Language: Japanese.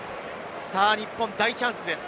日本、大チャンスです。